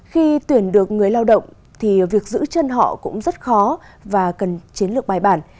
khi tuyển được người lao động thì việc giữ chân họ cũng rất khó và cần chiến lược bài bản